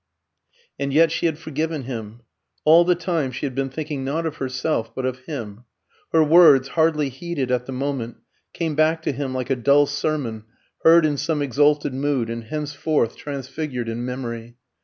And yet she had forgiven him. All the time she had been thinking, not of herself, but of him. Her words, hardly heeded at the moment, came back to him like a dull sermon heard in some exalted mood, and henceforth transfigured in memory.